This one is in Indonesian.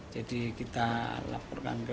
jadi kita laporkan ke kementerian agama kabupaten jember